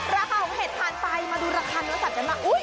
ราคาของเห็ดผ่านไปมาดูราคาเนื้อสัตว์กันบ้าง